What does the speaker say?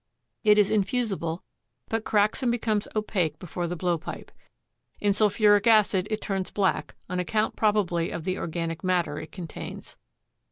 It is infusible, but cracks and becomes opaque before the blowpipe. In sulphuric acid it turns black, on account probably of the organic matter it contains.